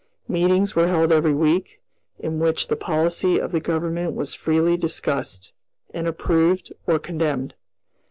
Meetings were held every week, in which the policy of the Government was freely discussed, and approved or condemned.